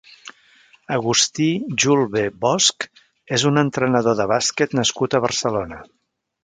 Agustí Julbe Bosch és un entrenador de basquet nascut a Barcelona.